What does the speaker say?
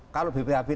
kalau bp habis